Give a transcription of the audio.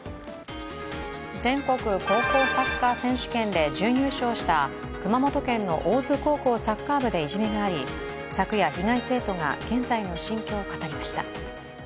全国高校サッカー選手権で準優勝した熊本県の大津高校サッカー部でいじめがあり昨夜、被害生徒が現在の心境を語りました。